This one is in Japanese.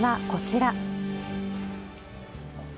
まずはこちら。